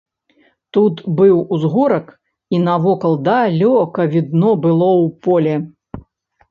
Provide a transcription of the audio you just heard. Тут быў узгорак, і навокал далёка відно было ў поле.